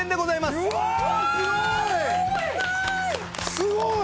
すごい！